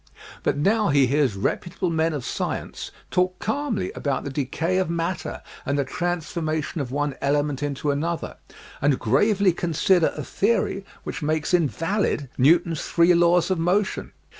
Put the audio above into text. But now he hears reputable men of science talk calmly about the decay of matter and the transformation of one ele ment into another, and gravely consider a theory which makes invalid Newton's three laws of motion.